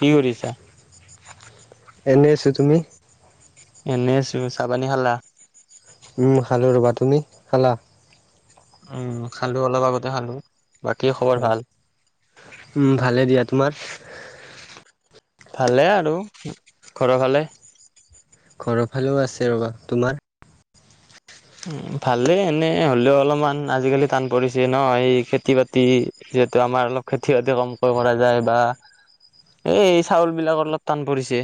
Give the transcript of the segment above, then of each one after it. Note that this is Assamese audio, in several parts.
কি কৰিছা? এনেই আছোঁ তুমি? এনেই আছো, চাহ - পানী খালা? উম খালো ৰ'বা, তুমি খালা? উম খালো অলপ আগতে খালো, বাকী খবৰ ভাল? উম ভালে দিয়া তোমাৰ? ভালে আৰু, ঘৰৰ ফালে? ঘৰৰ ফালেও আছে ৰ'বা, তোমাৰ? উম ভালে এনে হলেও অলপমান আজিকালি টান পৰিছে ন এই খেতি - বাতি যিহেতু আমাৰ অলপ খেতি -বাতি কম কৈ কৰা যায় বা এই চাউলবিলাক অলপ টান পৰিছে,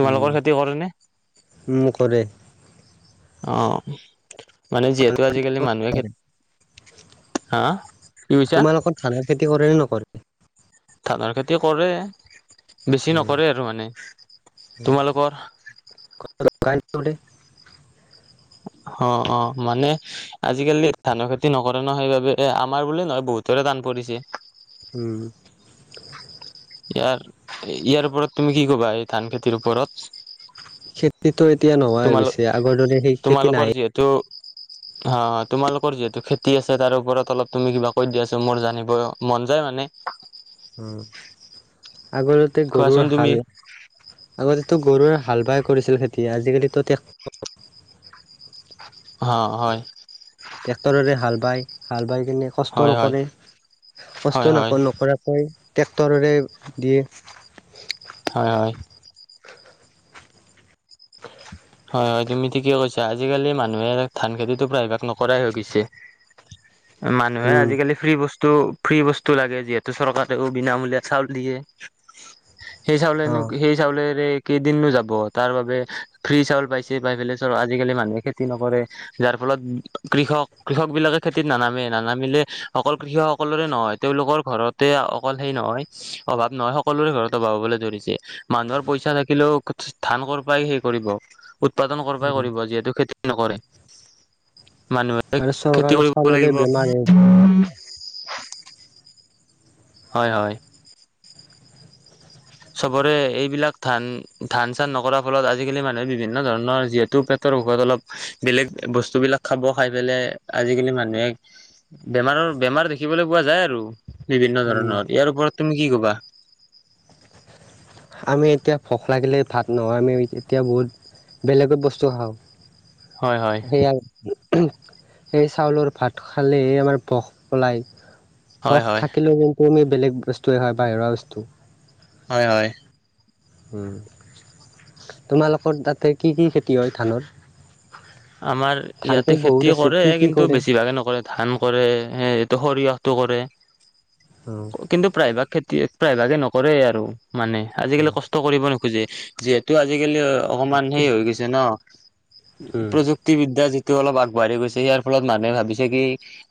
তোমালোকৰ খেতি কৰে নে? ওম কৰে। অ। মানে যিহেতু আজিকালি মানুহে খে, হা কি কৈছা? তোমালোকৰ ধানৰ খেতি কৰে নে নকৰে? ধানৰ খেতি কৰে, বেছি উম নকৰে আৰু মানে তোমালোকৰ? দে [unintelligible] উম [inaudible] অ অ মানে আজিকালি ধানৰ খেতি নকৰে ন সেইবাবে এ আমাৰ বুলিয়ে নহয় বহুত তৰে টান পৰিছে। উম। ইয়াৰ - ইয়াৰ ওপৰত তুমি কি কবা এই ধান খেতিৰ ওপৰত? সেইটো এতিয়া নোহোৱা গৈছে আগৰ দৰে সেই খেতি নাই তো অ তোমালোকৰ যিহেতু খেতি আছে তাৰ ওপৰত অলপ তুমি কিবা কৈ দিয়া চোন মোৰ জানিব মন যায় মানে। উম আগৰতে কোৱাচোন গৰুৰ তুমি হাল আগতেতো গৰুৱে হাল বাই কৰিছিল খেতি, আজিকালিতো তে অ হয়। ট্ৰেক্টৰেৰে হাল বায়, হাল বাই কেনে কষ্ট হয় হয় নকৰে, হয় কষ্ট নক হয় নকৰাকৈ হয়, ট্ৰেক্টৰেৰে দিয়ে। হয় হয়। [inaudible] হয় হয় তুমি ঠিকে কৈছা, আজিকালি মানুহে ধান খেতিটো প্ৰায়ভাগ নকৰাই হৈ গৈছে। মানুহে উম আজিকালি ফ্ৰী বস্তু, ফ্ৰী বস্তু লাগে যিহেতু চৰকাৰেও বিনামূলীয়া চাউল দিয়ে। সেই অ চাউলেনো সেই চাউলেৰে কেইদিনো যাব তাৰ বাবে ফ্ৰী চাউল পাইছে, পাই পেলাই চাউল আজিকালি মানুহে খেতি নকৰে। যাৰ ফলত কৃষক - কৃষকবিলাকে খেতিত নানামে, নানামিলে অকল কৃষক সকলোৰে নহয় তেওঁলোকৰ ঘৰতে অকল সেই নহয় অভাৱ নহয় সকলোৰে ঘৰত অভাৱ হ'বলৈ ধৰিছে। মানুহৰ পইচা থাকিলেও ধান কৰ পৰাই সেই কৰিব, উৎপাদন কৰ পৰাই উম কৰিব যিহেতু খেতি নকৰে, মানুহে আৰু খেতি চৰকাৰৰ কৰিব চাউলৰে লাগিব। বেমাৰ হে হয় হয়। চবৰে এইবিলাক ধান - ধান চান নকৰাৰ ফলত আজিকালি মানুহে বিভিন্ন ধৰণৰ যিহেতু পেটৰ ঔষদ অলপ বেলেগ বস্তুবিলাক খাব, খাই পেলাই আজিকালি মানুহে বেমাৰৰ বেমাৰ দেখিবলৈ পোৱা যায় আৰু বিভিন্ন উম ধৰণৰ ইয়াৰ ওপৰত তুমি কি ক'বা? আমি এতিয়া ভোষ লাগিলে ভাত নহয় আমি এতিয়া বহুত বেলেগত বস্তু খাওঁ হয় হয় সেইয়াই। উ উহু, সেই চাউলৰ ভাত খালে আমাৰ ভস পলায়। হয় ভস হয়। থাকিলেও কিন্তু আমি বেলেগ বস্তুৱে খাও বাহিৰা বস্তু। হয় হয়। উম, তোমালোকৰ তাতে কি কি খেতি হয় ধানৰ? আমাৰ ধানটো ইয়াতে বহুত খেতি আছে কৰে কি কি কিন্তু কৰে বেছিভাগে নকৰে। ধান কৰে, সেই এইটো সৰিয়হটো কৰে কিন্তু প্ৰায়ভাগ খেতি প্ৰায়ভাগে নকৰেই আৰু মানে আজিকালি কষ্ট কৰিব নোখোজে, যিহেতু আজিকালি অকমান সেই হৈ গৈছে ন। উম প্ৰযুক্তিবিদ্যা যিটো অলপ আগবাঢ়ি গৈছে ইয়াৰ ফলত মানুহে ভাবিছে কি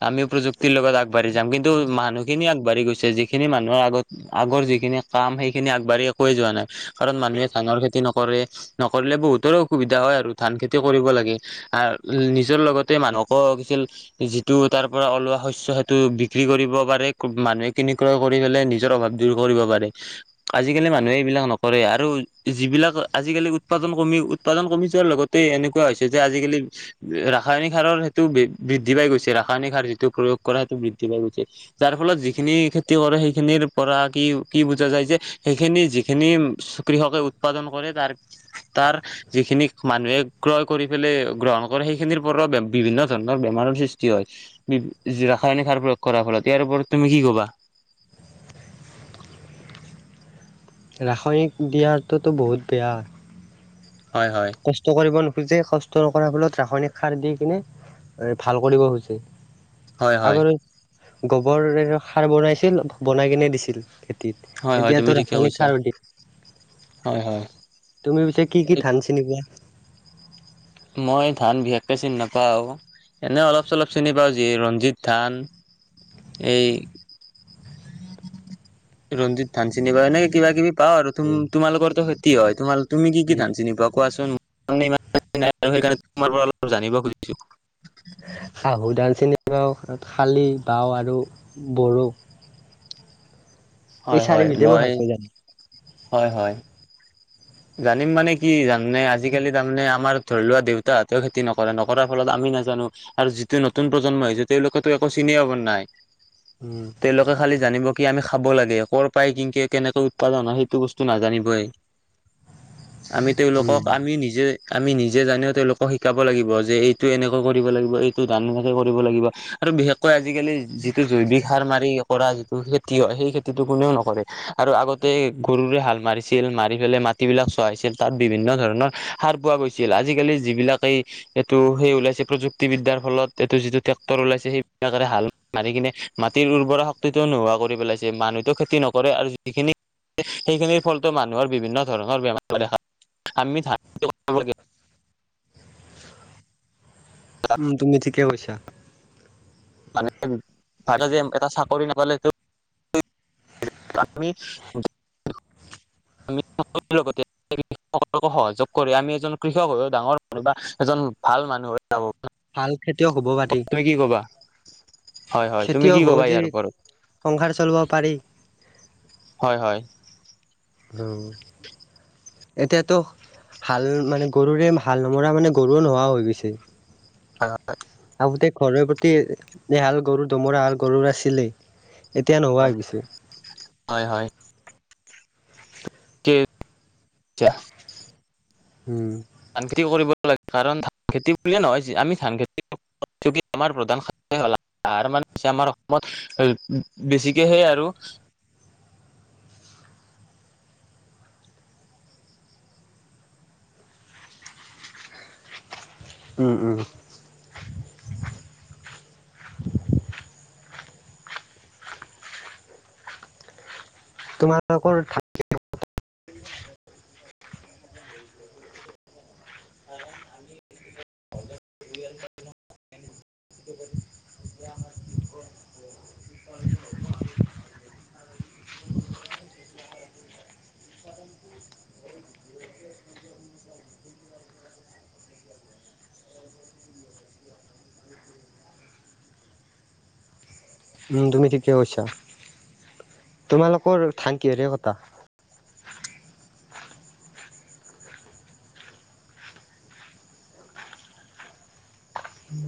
আমিও প্ৰযুক্তিৰ লগত আগবাঢ়ি যাম। কিন্তু মানুহখিনি আগবাঢ়ি গৈছে, যিখিনি মানুহৰ আগত আগৰ যিখিনি কাম সেইখিনি আগবাঢ়ি একোৱে যোৱা নাই। কাৰণ মানুহে ধানৰ খেতি নকৰে, নকৰিলে বহুতৰে অসুবিধা হয় আৰু ধান খেতি কৰিব লা উম আ নিজৰ লগতে মানুহক কি ছিল যিটো তাৰ পৰা ওলোৱা শস্য সেইটো বিক্ৰী কৰিব পাৰে, মানুহে কিনি ক্ৰয় কৰি পেলে নিজৰ অভাৱ দূৰ কৰিব পাৰে। আজিকালি মানুহে এইবিলাক নকৰে আৰু যিবিলাক আজিকালি উৎপাদন কমি উৎপাদন কমি যোৱাৰ লগত তে এনেকুৱা হৈছে যে আজিকালি ৰাসায়নিক সাৰৰ সেইটো বৃ বৃদ্ধি পাই গৈছে, ৰাসায়নিক সাৰ যিটো প্ৰয়োগ কৰা সেইটো বৃদ্ধি পাই গৈছে। যাৰ ফলত যিখিনি খেতি কৰে সেইখিনিৰ পৰা কি কি বুজা যায় যে সেইখিনি যিখিনি কৃষকে উৎপাদন কৰে তাৰ তাৰ যিখিনি মানুহে ক্ৰয় কৰি পেলে গ্ৰহণ কৰে সেইখিনিৰ পৰাও বে বিভিন্ন ধৰণৰ বেমাৰৰ সৃষ্টি হয়। বি যি ৰাসায়নিক সাৰ প্ৰয়োগ কৰাৰ ফলত ইয়াৰ ওপৰত তুমি কি ক'বা? ৰাসায়নিক দিয়াৰটোতো বহুত বেয়া। হয় হয়। কষ্ট কৰিব নোখোজে কষ্ট কৰাৰ ফলত ৰাসায়নিক সাৰ দি কিনে এ ভাল কৰিব খোজে। হয় হয় আগতে গোবৰ সাৰ বনাইছিল, বনাই কিনে দিছিল। খেতিত, হয় হয় তুমি এতিয়াতো ঠিকে ৰাসায়নিক কৈছা সাৰ দে, হয় হয় তুমি পিছে কি কি ধান কেনেকুৱা মই ধান বিশেষকৈ চিন নাপাওঁ। এনে অলপ চলপ চিনি পাও যি ৰঞ্জিত ধান এই ৰঞ্জিত ধান চিনি পাও এনেকে কিবা কিবি পাওঁ আৰু। তোম উম তোমালোকৰ তো খেতি হয় তুমি তুমি কি কি উম। ধান চিনি পোৱা কোৱাচোন তুমি ইমান নাই আৰু সেইকাৰণে তোমাৰ পৰা অলপ জানিব খুজিছো। আহু ধান চিনি পাও, শালি পাও আৰু বড়ো। এই হয় হয় চাৰি বিধে মই ভালকৈ জানো। হয় হয়। জানিম মানে কি জানানে আজিকালি তাৰমানে আমাৰ ধৰি লোৱা দেউতাহঁতেও খেতি নকৰে নকৰাৰ ফলত আমি নাজানো। আৰু যিটো নতুন প্ৰজন্ম আহিছে তেওঁলোকেতো একো চিনি পাবা নাই উম তেওঁলোক খালি জানিব কি আমি খাব লাগে কৰ' পাই কিংকে কেনেকে উৎপাদন হয় সেইটো বস্তু নাজানিবই। আমি তেওঁলোকক আমি নিজে আমি নিজে জানিও তেওঁলোকক শিকাব লাগিব যে এইটো এনেকে কৰিব লাগিব এইটো ধানা এনেকে কৰিব লাগিব আৰু বিশেষ কৈ আজিকালি যিটো জৈৱিক সাৰ মাৰি কৰা যিটো খেতি হয় সেই খেতিটো কোনেও নকৰে আৰু আগতে গৰুৰে হাল মাৰিছিল মাৰি পেলাই মা মাটিবিলাক চহাইছিল তাত বিভিন্ন ধৰণৰ সাৰ পোৱা গৈছিল আজিকালি যিবিলাক এই এইটো সেই ওলাইছে প্ৰযুক্তিবিদ্যাৰ ফলত এইটো যিটো ট্ৰেক্টৰ ওলাইছে সেইবিলাকেৰে হাল মাৰি কিনে মাটিৰ উৰ্বৰা শক্তিটো নোহোৱা কৰি পেলাইছে। মানুহটো খেতি নকৰে আৰু যিখিনি সেইখিনিৰ ফলটো মানুহৰ বিভিন্ন ধৰণৰ বেমাৰ [inaudible] উম তুমি ঠিকে কৈছা। মানে ভাইদ যে এটা চাকৰি নাপালে তো লগতে [inaudible] সহযোগ কৰি আমি এজন কৃষক হৈ ডাঙৰ মানুহ বা এজন ভাল মানুহ হৈ যাব ভাল খেতিয়ক হব বাদেই। তুমি কি ক'বা? হয় হয় তুমি খেতিয়ক কি হ ক'বা যি ইয়াৰ ওপৰত? সংসাৰ চলাব পাৰি। হয় হয়। উম। এতিয়াতো হাল মানে গৰুৰে হাল নমৰা মানে গৰুও নোহোৱা হৈ গৈছে। হা আ আগোতে ঘৰৰ প্ৰতি এই হাল গৰু দমৰা হাল গৰুৰ আছিলেই, এতিয়া নোহোৱা হৈ গৈছে। হয় হয়। তিতা। উম। ধান খেতি কৰিব লাগে কাৰণ ধান খেতি বুলিয়ে নহয় যে আমি ধান খেতি [inaudible] আমাৰ প্ৰধান [inaudible] আমাৰ অসমত উ বেছিকে সে আৰু উম উম। তোমালোকৰ খা [unintelligible] উ তুমি ঠিকে কৈছা তোমালোকৰ ধান কিহেৰে কটা?